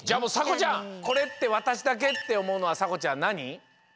「これってわたしだけ？」っておもうのはさこちゃんなに？